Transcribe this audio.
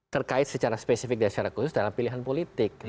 terkait secara spesifik dan secara khusus dalam pilihan politik